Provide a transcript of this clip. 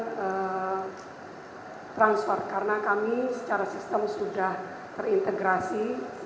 kita transfer karena kami secara sistem sudah terintegrasi